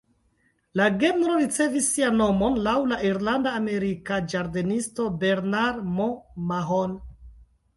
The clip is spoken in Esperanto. La genro ricevis sian nomon laŭ la irlanda-amerika ĝardenisto Bernard M’Mahon.